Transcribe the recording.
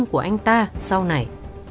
của anh ta sau này